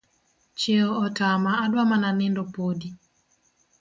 Chieo otama adwa mana nindo podi